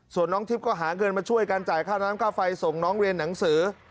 ส่วนน้องทิพย์ก็หาเงินมาช่วยการจ่ายค่าน้ำค่าไฟส่งน้องเรียนหนังสือ